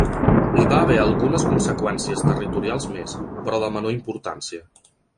Hi va haver algunes conseqüències territorials més, però de menor importància.